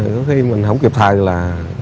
có khi mình không kịp thời là